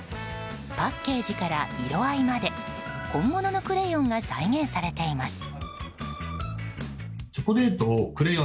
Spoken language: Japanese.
パッケージから色合いまで本物のクレヨンが再現されています。